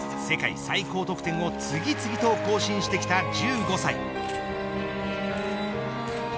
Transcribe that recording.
世界最高得点を次々と更新してきた１５歳。